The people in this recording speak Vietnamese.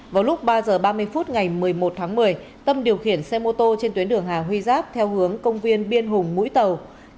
vào lúc ba h ba mươi phút ngày một mươi một tháng một mươi tâm điều khiển xe mô tô trên tuyến đường hà huy giáp theo hướng công viên biên hùng mũi tàu